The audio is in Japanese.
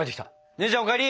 姉ちゃんお帰り。